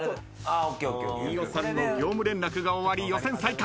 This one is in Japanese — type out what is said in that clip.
飯尾さんの業務連絡が終わり予選再開。